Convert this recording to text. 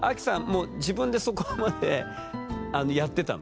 もう自分でそこまであのやってたの？